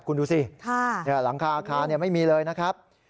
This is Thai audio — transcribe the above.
คุณดูสิหลังคาอาคารไม่มีเลยนะครับ